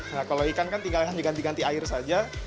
nah kalau ikan kan tinggal diganti ganti air saja